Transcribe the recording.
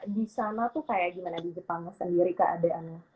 di sana tuh kayak gimana di jepang sendiri keadaannya